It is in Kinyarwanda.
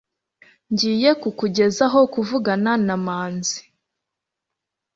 Ngiye kukugezaho kuvugana na manzi